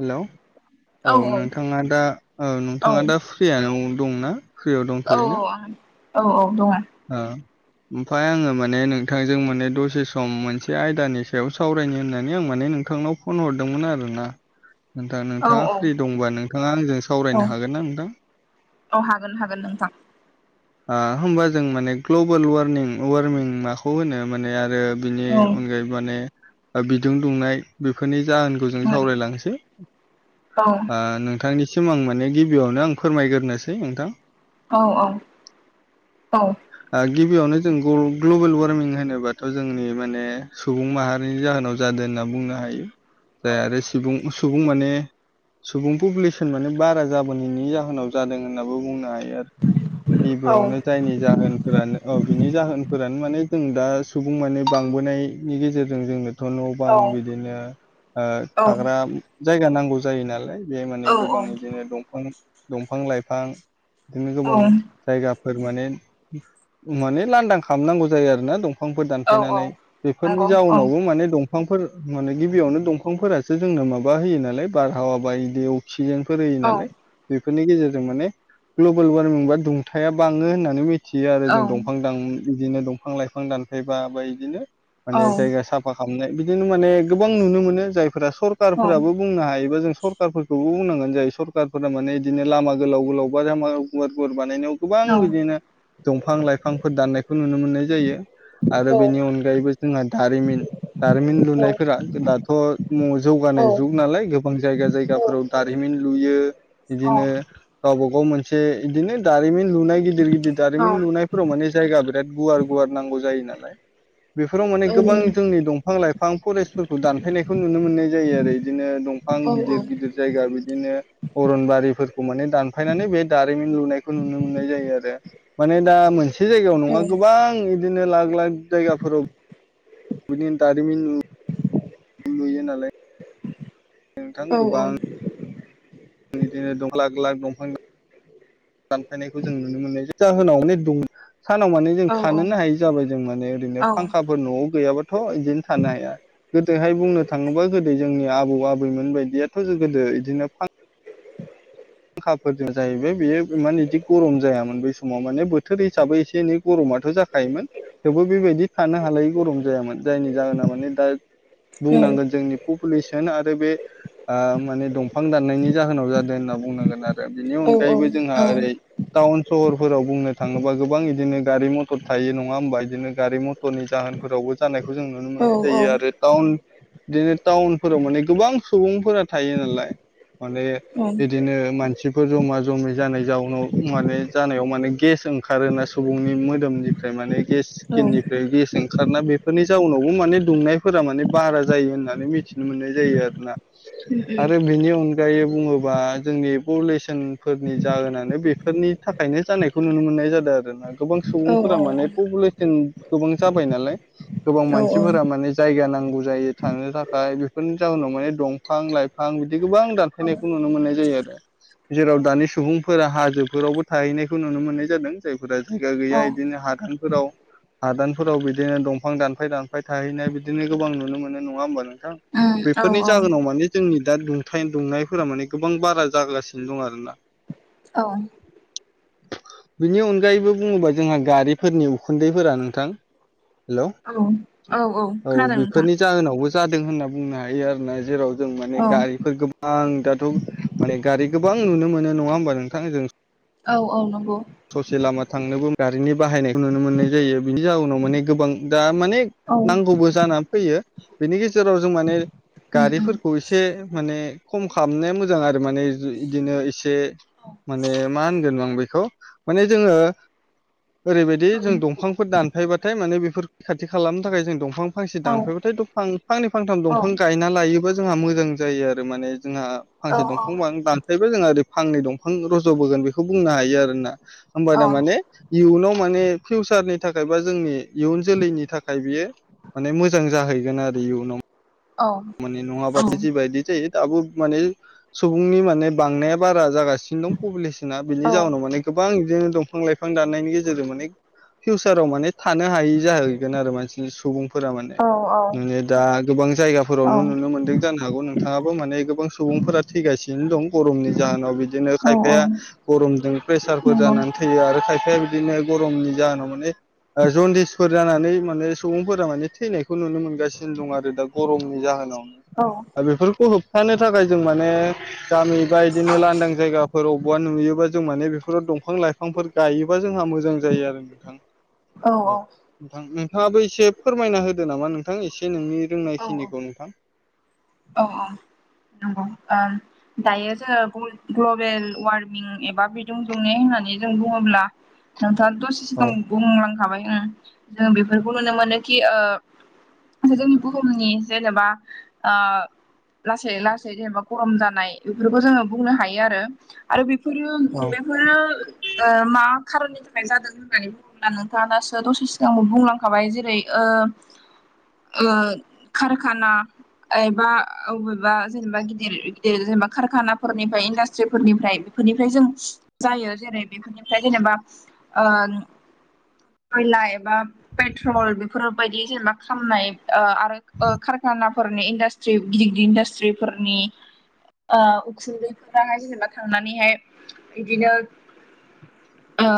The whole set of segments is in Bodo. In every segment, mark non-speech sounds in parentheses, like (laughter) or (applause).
हेलौ औ नोंथाङा दा औ नोंथाङा दा फ्रियानो दंना? फ्रियाव औ दंथ'यो ना? औ औ दङ। ओ ओमफ्राय आङो माने नोंथांजों माने दसे सम मोनसे आयदानि सायाव सावरायनो होननानै आं माने नोंथांनाव फन हरदोंमोन आरोना नोंथां औ नोंथाङा औ फ्रि दंबा नोंथाङा आंजों औ सावरायनो हागोन ना नोंथां औ हागोन नोंथां ओ होमबा जों माने ग्लबेल वारमिं वार्मिं माखौ होनो माने आरो बिनि औ अनगायै माने बिदुं दुंनाय बेफोरनि जाहोनखौ जों औ सावरायलांसै औ ओ नोंथांनिसिम आं माने गिबियावनो आं फोरमायग्रोनोसै नोंथां औ औ औ ओ गिबियावनो जों ग्लबेल वार्मिं होनोबाथ' जोंनि माने सुबुं माहारिनि जाहोनाव जादों होनना बुंनो हायो जाय आरो सुबुं सुबुं माने सुबुं पपुलेसन माने बारा जाबोनायनि जाहोनाव जादों होनाबो बुंनो हायो आरो गिबियावनो जायनि जाहोनफोरानो औ बिनि जाहोनफोरानो माने जों दा सुबुं माने बांबोनायनि गेजेरजों जोंनो थ' न' बां बिदिनो थाग्रा जायगा नांगौ जायो नालाय बे माने औ गोबां बिदिनो दंफां दंफां लाइफां बिदिनो औ गोबां जायगा फोर माने माने लांदां खालामनांगौ जायो आरोना दं बिफांफोर औ दानफायनानै बेफोरनि नंगौ औ जाउनावबो माने दंफां दंफांफोर माने गिबियावनो दंफांफोरासो जोंनो माबा होयो नालाय बारहावा बायदि अक्सिजेन फोर होयो औ नालाय बेफोरनि गेजेरजों माने ग्लबेल वार्मिं बा दुंथाया बाङो होननानै मिथि थियो आरो जों औ दंफां बिदिनो दंफां लाइफां दानफायबा बा बिदिनो औ माने जायगा साफा खालामनाय बिदिनो माने गोबां नुनो मोनो जाय फोरा सरखारारफोराबो बुंनो हायोबा जों सरखारफोरखौबो बुंनांगोन जायो सरखारारफोरा माने बिदिनो लामा गोलाव गोलाव बा गुवार गुवार बानायनायाव औ गोबां बिदिनो दंफां लाइफांफोर दाननायखौ नुनो मोननाय जायो आरो बेनि अनगायैबो जोंहा दारिमिन दारिमिन लुनायफोरा दाथ' न' जौगानाय जुग नालाय गोबां जाइगा जायगाफोराव दारिमिन लुयो बिदिनो गावबागाव मोनसे बिदिनो दा लुनाय गिदिर गिदिर दारिमिन लुनायफोराव माने जायगा बिराद गुवार गुवार नांगौ जायो नालाय बेफोराव माने गोबां जोंनि दंफां लाइफां फरेस्टफोरखौ दानफायनायखौ नुनो मोननाय जायो आरो बिदिनो दंफां गोबां गिदिर गिदिर जायगा बिदिनो अरनबारिफोरखौ माने दानफायनानै बे दारिमिन लुनाय खौ नुनो मोननाय जायो आरो माने दा मोनसे जायगायाव नङा गोबां बिदिनो बिदिनो लाख लाख जायगाफोराव बिदिनो दारिमिन लुयो नालाय नोंथां गोबां बिदिनो (unintelligible) दानफायनायखौ जों नुनो मोननाय जाहोनावनो दुं सानाव माने जों थानोनो हायि जाबाय जों माने ओरैनो फांखाफोर न'आव गैयाबाथ' बिदिनो थानो हाया गोदोहाय बुंनो थाङोबा गोदो जोंनि आबौ आबैमोन बायदियाथ' गोदो बिदिनो फां फांखाफोरजों जाहैबाय बेयो माने बिदि गरम जायामोन बै समाव माने बोथोर हिसाबै एसे एनै गरम आथ' जाखायोमोन थेवबो बेबायदि थानो हालायै गरम जायामोन जायनि जाहोना माने दा बुंनांगोन जोंनि पपुलेसन आरो बे माने दंफां दाननायनि जाहोनाव जादों होनना बुंनांगोन आरो बिनि अनगायैबो जोंहा ओरै टाउन सहरफोराव बुंनो थाङोबा गोबां बिदिनो गारि मटर थायो नङा होमबा बिदिनो गारि मटरनि जाहोनफोरावबो जानाय खौ जों नुनो मोननाय जायो आरो टाउन बिदिनो टाउनफोराव माने गोबां सुबुंफोरा थायो नालाय माने औ बिदिनो मानसिफोर जमा जमै जानाय जाउनाव माने जानायाव माने गेस ओंखारोना सुबुंनि मोदोमनि ओमफ्राय माने गेस औ स्किननिफ्राय गेसजों खारोना बेफोरनि जाउनावबो माने दुंनायफोरा माने बारा जायो होननानै मिथिनो मोननाय जायो आरोना। औ औ आरो बिनि अनगायै बुङोबा जोंनि पपुलेसनफोरनि जाहोनानो बेफोरनि थाखायनो जानायखौ नुनो मोननाय जादों आरोना गोबां सुबुंफोरा माने पपुलेसन गोबां जाबाय नालाय गोबां मानसिफोरा माने जायगा नां गौ जायो थांनो थाखाय बेफोरनि जाहोनाव माने दंफां लाइफां बिदि गोबां दानफायनायखौ नुनो मोननाय जायो आरो जेराव दानि सुबुंफोरा हाजोफोरावबो थाहैनायखौ नुनो मोननाय जादों जायफोरा जायगा गैया बिदिनो हादानफोराव हादानफोराव बिदिनो दंफां दानफाय दानफाय थाहैनाय बिदिनो गोबां नुनो मोनो नङा होमबा नोंथां? औ बेफोरनि जाहोनाव माने जोंनि दा दुंथाय दुंनायफोरा माने गोबां बारा जागासि दि दं आरोना बिनि अनगायैबो बुङोबा जोंहा गारिफोरनि उखुन्दैफोरा नोंथां हेलौ, औ औ औ खोनादों नोंथां बेफोरनि जाहोनावबो जादों होनना बुंनो हायो आरोना जेराव जों माने औ गारिफोर गोबां दाथ' माने गारि गोबां नुनो मोनो नङा होमबा नोंथां जों औ औ नंगौ ससे लामा थांनोबो गारिनि बाहायनायखौ नुनो मोननाय जायो बिनि जाउनाव माने गोबां दा माने औ उम नांगौबो जानानै फैयो बेनि गेजेराव जों माने उम गारिफोरखौ एसे माने खम खालामनाया मोजां आरो माने दि इदिनो एसे माने मा होनगोन आं बेखौ माने जोङो ओरैबायदि जों दंफांफोर दानफायबाथाय माने बेफोर खाथि खालामनो थाखाय जों दंफां फांसे औ दानफायबाथाय दंफां फांनै फांथाम औ दंफां गायना लायोबा जोंहा मोजां जायो आरो माने जोंहा औ फांसे औ दंफां दानफायबा जोंहा ओरै फांनै दंफां रज'बोगोन बेखौ बुंनो हायो आरोना। होमबा नंगौ औ दा माने इउनाव माने फिउसारनि थाखाय बा जोंनि इयुन जोलैनि थाखाय बियो माने मोजां जाहैगोन आरो इयुनाव माने नङाब्ला जिबायदि जायो दाबो माने सुबुंनि माने बांनाया बारा जागासिनो दं पपुलेस ना बिनि जाउनाव माने गोबां बिदिनो दं। बिफां-लाइफां दाननायनि गेजेरजों माने फिउसाराव माने थानो हायि जाहैगोन आरो मानसि सुबुं फोरा मानेे दा गोबां जायगाफोरावनो नुनो मोनदों जानो हागौ नोंथाङाबो माने नै गोबां सुबुंफोरा थैगासिनो दं गरमनि जाहोनाव बि दिनो खायफाया गरमजों प्रेसारफोर जानानै थैयो आरो खायफाया बिदिनो गरमनि जाहोनाव माने जन्दिसफोर जानानै माने सुबुंफोरा माने थैनायखौ नुनो मोनगासिनो दं आरो दा गरम नि जाहोनावनो बेफोरखौ होब थानो थाखाय जों माने गामि बा बिदिनो लांदां जायगाफोर अबेबा नुयोबा जों माने बेफोराव दंफां-लाइफांफोर गायोबा जोंहा मोजां जायो आरो नोंथां। औ नोंथां नोंथाङाबो एसे फोरमायना होदो नामा नोंथां एसे नोंनि रोंनायखिनि थां औहा नंगौ ओ दायो जोङो ग्लबेल वारमिं एबा बिदुं दुंनाय होननानै जों बुङोब्ला दा दसे औ सिगां बुंलांखाबाय जों बेफोरखौ नुनो मोनोखि ओ जोंनि बुहुमनि जेनेबा ओ लासै लासै जेनेबा गरम जानाय बेफोरखौ जोङो बुंनो हायो आरो आरो बि फोरो औ बेफोरो ओ मा खारननि थाखाय जादों होननानै बुङोब्ला नोंथाङा दासो दसे सिगांबो बुंलांखाबाय जेरै ओ ओ कारखाना एबा आ अबेबा जेनेबा गिदिर गिदिर जेनेबा कारखानाफोरनिफ्राय इन्डासट्रिफोरनिफ्राय बेफोरनिफ्राय जों जायो जेरै बेफोरनिफ्राय जेनेबा ओ खयला बा पेट्रल बेफोरबायदि जेनेबा खामनाय आरो ओ कारखानाफोरनि इ ट्रि गिदर गिदिर इन्डासट्रिफोरनि ओ उखुन्दैफोराहाय जेनेबा थांनानैहाय बिदिनो (inaudible) ओ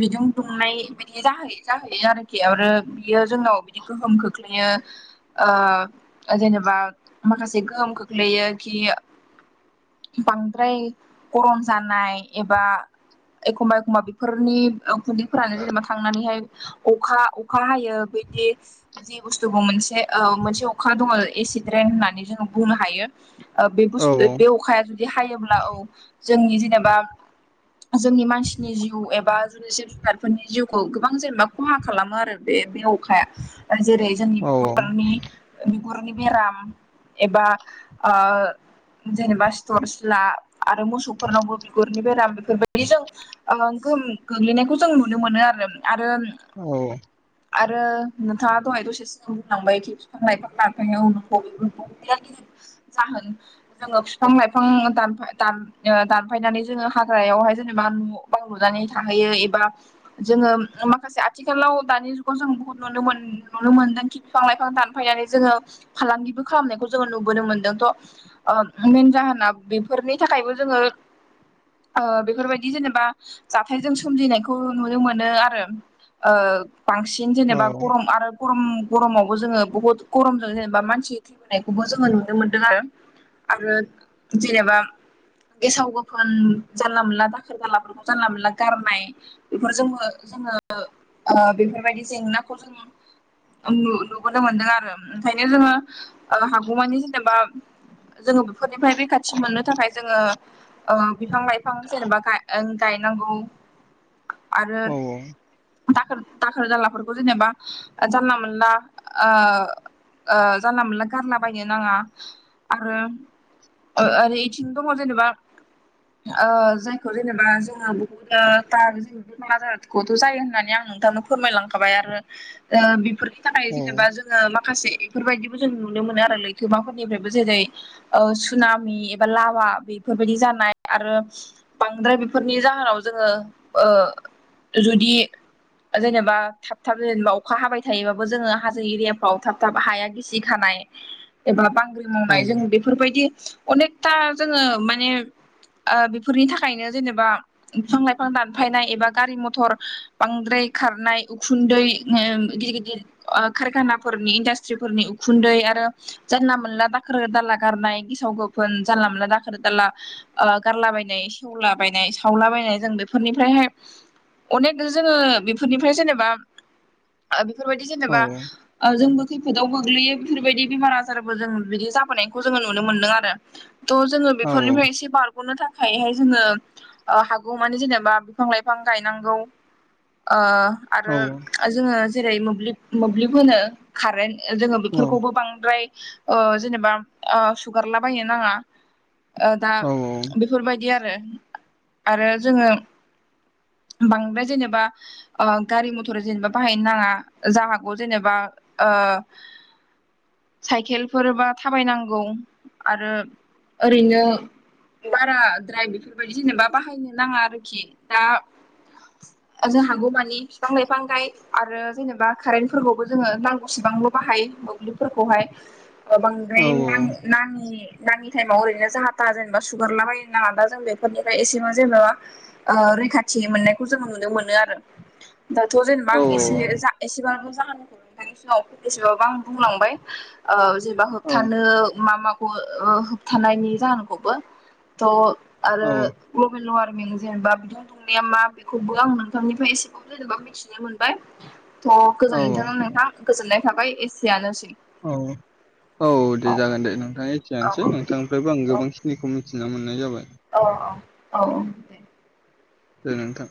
बिदुं दुंनाय बिदि जाहो जाहैयो आरोखि आरो बियो जोंनाव बिदि गोहोम खोख्लैयो ओ जेनेबा माखासे गोहोम खोख्लैयो कि बांद्राय गरम जानाय एबा एखमबा एखमबा बेफोरनि उ खुन्दैफोरानो जेनेबा थांनानैहाय अखा अखा हायो बिदि जि बुस्थुखौ मोनसे ओ मोनसे अखा दङ एसिद्ररेन होननानै जोंङो बुंनो हायो ओ बे औ बुस्थु बे अखाया जुदि हायोब्ला औ जोंनि जेनेबा जोंनि मानसिनि जिउ एबा जोंनि जिब जुनारफोरनि जिउ खौ गोबां जेनेबा खहा खालामो आरो बे बेयाव अखाया जेरै जोंनि औ बिगुरनि बिगुरनि बेराम एबा ओ जेनेबा सिथर सिला आरो मोसौफोरनावबो बिगुरनि बेराम बेफोरबायदि जोंओ गोहोम गोग्लैनायखौ जों नुनो मोनो आरो आरो औ आरो नोंथाङा दहाय दसे सिग बुंलांबाय खि बिफां लाइफां दानफायनायाव (unintelligible) जाहोन जोङो बिफां लाइफां दानफाय दान ओ दान फायनानै जोङो हाग्रायावहाय जेनेबा न बां लुनानै थाहैयो एबा जोङो माखासे आथिखालाव दानि जुगाव जों बुहुत नुनो मोन नुनो मोन्दों खि बिफां लाइफां दानफायनानै जोङो फालांगिबो खालामनायखौ जोङो नुबोनो मोनदों थ मेन जाहोना बेफोरनि थाखायबो जोङो (inaudible) ओ बेफोरबायदि जेनेबा जाथायजों सोमजिनायखौ नुनो मोनो आरो ओ बांसिन औ जेनेबा गरम आरो गरम गरमावबो जोङो बुहुत गरमजों जेनेबा बा मानसि थैबोनायखौबो जोङो नुनो मोनदों आरो आरो जेनेबा गेसाव गोफोन जानला मोनला दाखोर दालाफोरखौ जानला मोनला गारनाय बेफोर जोंबो जोङो ओ बेफोरबायदि जेंनाखौ जोंङो नु नुबोनो मोनदों आरो ओंखायनो जोङो ओ हागौमानि जेनेबा जोङो बेफोरनिफ्राय रैखाथि मोननो थाखाय जोङोओ बिफां लाइफां जेनेबा गाय ओ गाय नांगौ (inaudible) आरो औ दाखोर दाखोर जानलाफोरखौ जेनेबा जानला मोनला ओ ओ जानला मोनला गारलाबायायनो नाङा आरो ओ ओरै इथिं दङ जेनेबा ओ जायखौ जेनेबा जोङो बहुद ज बे क आारखौथ जायो होननानै आं नोंथांनो फोरमायलांखाबाय आरो बेफोरनि थाखाय औ जेनेबा जोङो माखासे बेफोरबायदिबो जों नुनो मोनो आरो लैथोमाफोरनिफ्रायबो जेरै ओ सुनामि एबा लाभा बे बेफोरबायदि जानाय आरो बांद्राय बेफोरनि जाहोनाव जोङो ओ जुदि जेनेबा थाब थाब जेनेबा अखा हाबाय थायोबाबो जोङो हाजो एरियाफ्राव थाब थाब हाया गिसि खानाय एबा बांग्रि औ मावनाय जों बेफोरबायदि अनेकथा जोङो माने ओ बेफोरनि थाखायनो जेनेबा बिफां लाइफां दानफायनाय एबा गारि मथर बांद्राय खारनाय उखुन्दै गिदिर गिदिर ओ कारखानाफोरनि इण्डास स्त्रिफोरनि उखुन्दै आरो जानला मोनला दाखोर दाला गारनाय गेसाव गोफोन जानला मोनला दाखोर दाला ओ गारलाबायनाय सेवलाबायायनाय सावलाबायनाय जों बेफोरनिफ्रायहाय अनेक जोङो बेफोरनिफ्राय जेनेबा बेफोरबायदि औ जेनेबा जोंबो फोदाव गोग्लैयो बेफोरबायदि बेमार आजारबो जों बिदि जाबोनायखौ जोङो नुनो मोन्दों आरो थ' जोङो औ बेफोरनिफ्राय एसे बारग'नो थाखायहाय जोङो हागौ मानि जेनेबा बिफां लाइफां गायनांगौ आरो औ जोङो जेरै मोब्लिब मोब्लिब होनो खारेन्ट जोङो बेफोरखौबो बांद्राय ओ जेनेबा ओ सुगारला बायनो नाङा दा औ बेफोरबायदि आरो आरो जोङो। (unintelligible) बांद्राय जेनेबा ओ-गारि मथर जेनेबा बाहायनो नाङा जा हागौ जेनेबा ओ साइकेलफोरबा थाबायनांगौ आरो ओरैनो। बाराद्राय बेफोरबायदि जेनेबा बाहायनो नाङा आरोखि दा। जों हागौ मानि बिफां लाइफां गाय आरो जेनेबा कारेन्टफोरखौबो जोङो नां- सिबांल बाहायो मोब्लिबफोरखौहाय बांद्राय नां - नांङि- नांङि थाइमाव ओरैनो जाहा थाहा जेनेबा सुगारला बायनो नाला दा जों बेफोरनिफ्राय एसेबां जेनेबा ओ रैखाथि। मोननायखौ जोङो नुनो मोनो आरो दाथ‌ जेनेबा आं एसे जा एसेबांथ जाहोनखौ एसेबाबो आं बुंलांबाय ओ-जेनबा होबथानो मा मा ओ-होबथानायनि जाहोनखौबो थ आरो मबेल वार जेनेबा बिदुं दुंनाया मा बेखौबो आं नोंथांनिफ्राय एसेबाबो जेनेबा मिथिनो मोनबाय। थ औ गोजोननाय थाबाय नोंथां गोजोननाय थाबाय एसेयानो सै। औ औ दे जागोन दे नोंथाङा औ एखेयानोसै नोंथांनिफ्रायबो आं गोबांखिनिखौ मिथिना मोन औ औ औ औ दे नोंथां